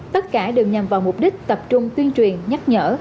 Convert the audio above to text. tất cả đều nhằm vào mục đích tập trung tuyên truyền nhắc nhở